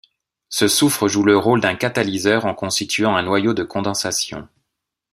Ce soufre joue le rôle d'un catalyseur en constituant un noyau de condensation.